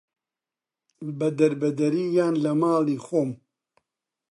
بە دەربەدەری یان لە ماڵی خۆم